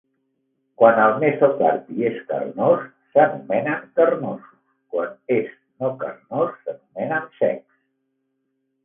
Quan el mesocarpi és carnós, s'anomenen carnosos; quan és no carnós, s'anomenen secs.